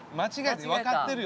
分かってるよ。